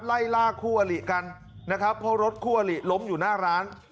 ไล่ล่าคู่อลิกันนะครับเพราะรถคู่อลิล้มอยู่หน้าร้าน